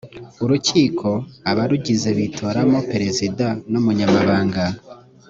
ururkiko abarugize bitoramo perezida n umunyamabanga